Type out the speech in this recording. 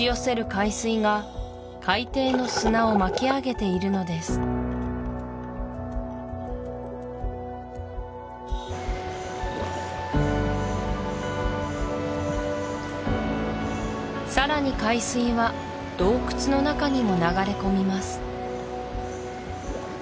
海水が海底の砂を巻き上げているのですさらに海水は洞窟の中にも流れ込みます